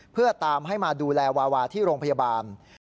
เพื่อตามให้มาดูแลวาวาที่โรงพยาบาล